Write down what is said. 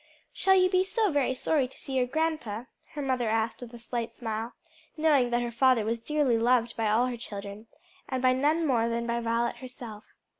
"Shall you be so very sorry to see your grandpa?" her mother asked with a slight smile, knowing that her father was dearly loved by all her children, and by none more than by Violet herself.